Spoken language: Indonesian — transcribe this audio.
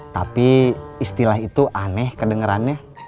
tapi istilah itu aneh kedengerannya